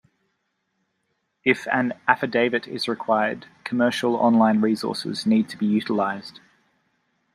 If an affidavit is required, commercial on-line resources need to be utilized.